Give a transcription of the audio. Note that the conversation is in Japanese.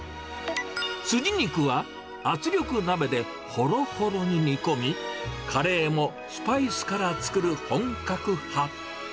スジ肉は、圧力鍋でほろほろに煮込み、カレーもスパイスから作る本格派。